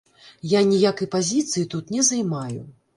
Я ніякай пазіцыі тут не займаю.